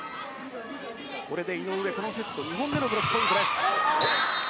井上はこのセット２本目のブロックポイント。